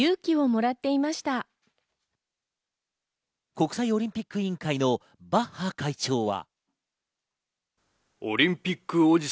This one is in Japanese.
国際オリンピック委員会のバッハ会長は。